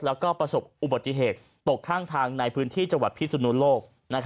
แล้วก็ประสบอุบัติเหตุตกข้างทางในพื้นที่จังหวัดพิสุนุโลก